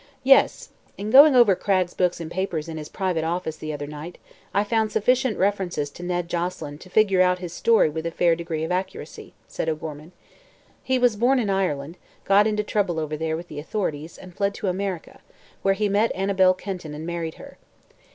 "Yes. In going over Cragg's books and papers in his private office the other night, I found sufficient references to Ned Joselyn to figure out his story with a fair degree of accuracy," said O'Gorman. "He was born in Ireland, got into trouble over there with the authorities, and fled to America, where he met Annabel Kenton and married her.